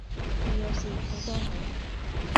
你有時好多口